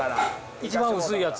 一番薄いやつ。